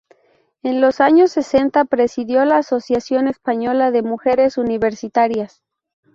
En los años sesenta presidió la Asociación Española de Mujeres Universitarias.